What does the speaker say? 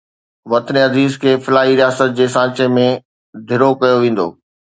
وطن عزيز کي فلاحي رياست جي سانچي ۾ ڍرو ڪيو ويندو